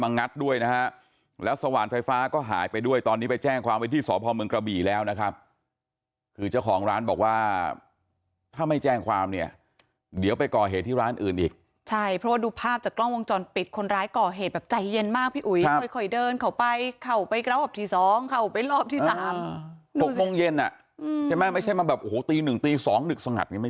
วันนี้ไปแจ้งความว่าที่สอบภอมเมืองกระบี่แล้วนะครับคือเจ้าของร้านบอกว่าถ้าไม่แจ้งความเนี่ยเดี๋ยวไปก่อเหตุที่ร้านอื่นอีกใช่เพราะดูภาพจากกล้องวงจรปิดคนร้ายก่อเหตุแบบใจเย็นมากพี่อุ๋ยค่อยเดินเข้าไปเข้าไปรอบที่๒เข้าไปรอบที่๓๖โมงเย็นอ่ะใช่ไหมไม่ใช่มาแบบโอ้โหตี๑ตี๒นึก